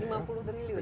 lima puluh triliun ya